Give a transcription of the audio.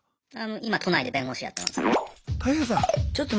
今都内で弁護士やってます。